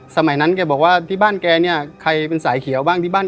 สมัยนั้นแกบอกว่าที่บ้านแกเนี่ย